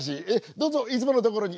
どうぞいつものところに。